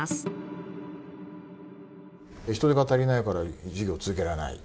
人手が足りないから事業続けられない。